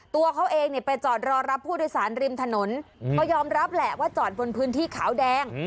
ตัวเขาเองเนี่ยไปจอดรอรับผู้โดยสารริมถนนก็ยอมรับแหละว่าจอดบนพื้นที่ขาวแดง